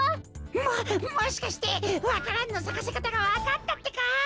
ももしかしてわか蘭のさかせかたがわかったってか！？